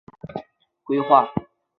以前瞻的视野缜密规划